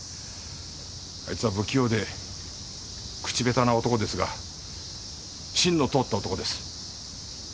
あいつは不器用で口下手な男ですが芯の通った男です。